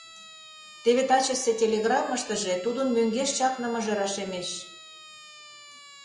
Теве тачысе телеграммыштыже тудын мӧҥгеш чакнымыже рашемеш.